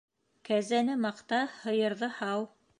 Кәзәне маҡта, һыйырҙы һау.